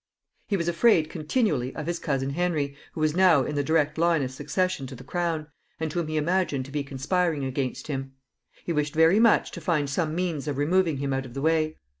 He was afraid continually of his cousin Henry, who was now in the direct line of succession to the crown, and whom he imagined to be conspiring against him. He wished very much to find some means of removing him out of the way.